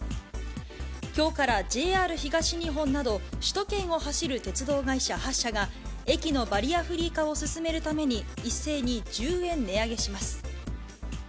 きょうからＪＲ東日本など、首都圏を走る鉄道会社８社が、駅のバリアフリー化を進めるために、一斉に１０円値上げします。